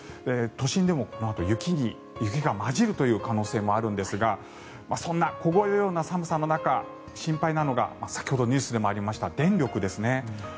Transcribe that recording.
都心でもこのあと雪が交じるという可能性もあるんですがそんな凍えるような寒さの中心配なのが先ほどニュースでもありました電力ですね。